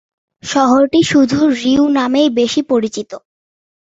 শহরটি শুধু "রিউ" নামেই বেশি পরিচিত।